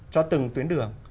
cho từng tuyến đường